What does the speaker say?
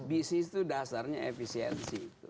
bisnis itu dasarnya efisiensi